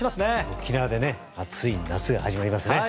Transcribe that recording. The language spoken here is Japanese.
沖縄で暑い夏が始まりますね。